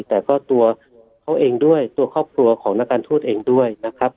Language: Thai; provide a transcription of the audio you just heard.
แต่ก็ตัวเขาเองด้วยตัวครอบครัวของนักการทูตเองด้วยนะครับ